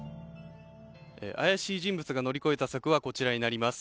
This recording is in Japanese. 怪しい人物が乗り越えた柵はこちらになります。